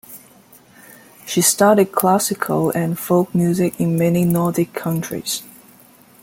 She studied classical and folk music in many Nordic countries.